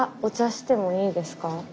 してもいいですよ。